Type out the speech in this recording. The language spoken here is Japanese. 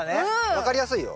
分かりやすいよ。